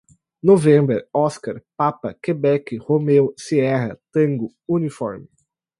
november, oscar, papa, quebec, romeo, sierra, tango, uniform